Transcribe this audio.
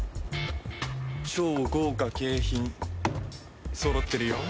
超豪華景品そろってるよ。